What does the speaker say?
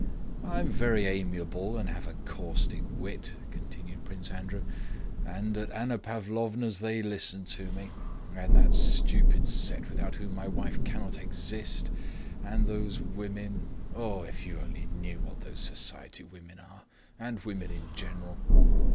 I am very amiable and have a caustic wit," continued Prince Andrew, "and at Anna Pávlovna's they listen to me. And that stupid set without whom my wife cannot exist, and those women.... If you only knew what those society women are, and women in general!